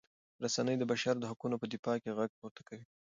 رسنۍ د بشر د حقونو په دفاع کې غږ پورته کوي.